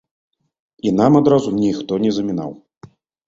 І нам адразу ніхто не замінаў.